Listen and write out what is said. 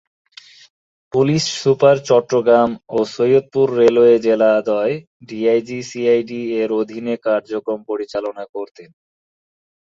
Police super Chattogram ও Saidpur railway জেলা দ্বয় ডিআইজি, সিআইডি এর অধীনে কার্যক্রম পরিচালনা করতেন।